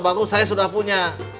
bagus saya sudah punya